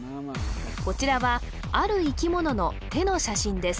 こちらはある生き物の手の写真です